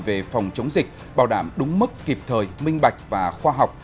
về phòng chống dịch bảo đảm đúng mức kịp thời minh bạch và khoa học